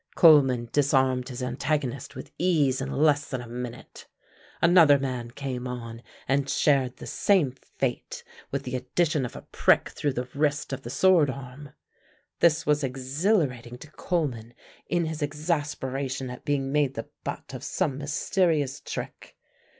Coleman disarmed his antagonist with ease in less than a minute. Another man came on and shared the same fate, with the addition of a prick through the wrist of the sword arm. This was exhilarating to Coleman in his exasperation at being made the butt of some mysterious trick.